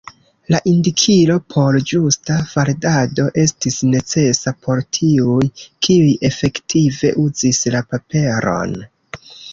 La indikilo por ĝusta faldado estis necesa por tiuj, kiuj efektive uzis la paperon.